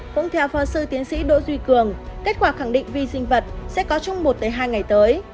cũng theo phó sư tiến sĩ đỗ duy cường kết quả khẳng định vi sinh vật sẽ có trong một hai ngày tới